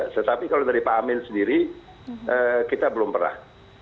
tetapi kalau dari pak amin sendiri kita belum pernah